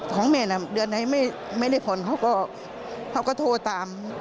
ของแม่น่ะเดือนไหนไม่ได้ผ่อนเขาก็เขาก็โทรตาม